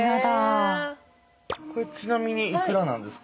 これちなみに幾らなんですか？